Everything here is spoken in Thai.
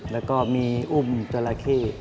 แล้วก็มีอุ้มจราเข้